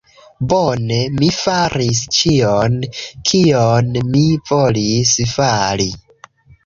Bone. Mi faris ĉion, kion mi volis fari.